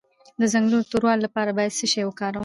د څنګلو د توروالي لپاره باید څه شی وکاروم؟